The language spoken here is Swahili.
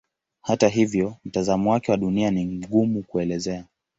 Hata hivyo mtazamo wake wa Dunia ni mgumu kuelezea.